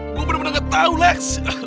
gue bener bener gak tau lex